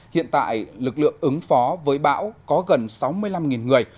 hiện tại lực lượng ứng phó với bão có gần sáu mươi năm người